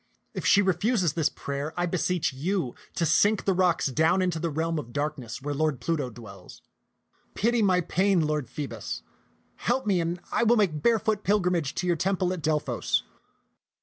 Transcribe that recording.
If she refuses this prayer, then 192 ti}t ^xCK\xUm'0 t<xU I beseech you to sink the rocks down to the realm of darkness where Lord Pluto dwells. Pity my pain, Lord Phoebus. Help me, and I will make barefoot pilgrimage to your temple at Delphos."